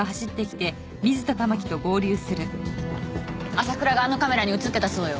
朝倉があのカメラに映ってたそうよ。